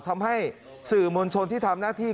ทำให้สื่อมวลชนที่ทำหน้าที่